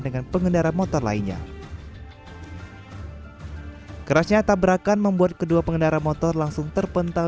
dengan pengendara motor lainnya kerasnya tabrakan membuat kedua pengendara motor langsung terpental